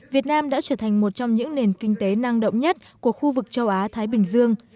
việt nam đã trở thành một trong những nền kinh tế năng động nhất của khu vực châu á thái bình dương